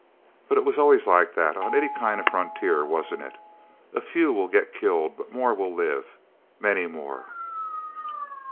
But it was always like that on any kind of frontier, wasn't it? A few will get killed, but more will live many more..."